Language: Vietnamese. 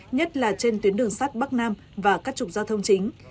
nhất là trên tuyến đường sắt bắc nam và các trục giao thông chính